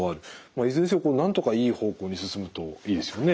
いずれにせよなんとかいい方向に進むといいですよね。